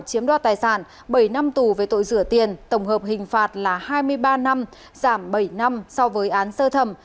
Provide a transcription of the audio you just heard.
chiếm đoạt tài sản bảy năm tù về tội rửa tiền tổng hợp hình phạt là hai mươi ba năm giảm bảy năm so với án sơ thẩm